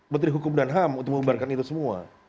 menteri hukum dan ham untuk membubarkan itu semua